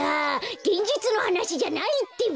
げんじつのはなしじゃないってば！